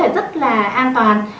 rất là an toàn